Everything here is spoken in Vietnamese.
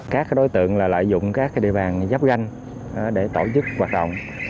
các đối tượng lợi dụng các địa bàn giáp ganh để tổ chức hoạt động